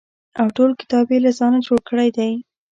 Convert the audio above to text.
او ټول کتاب یې له ځانه جوړ کړی دی.